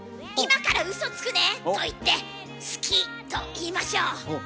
「今からウソつくね」と言って「好き」と言いましょう。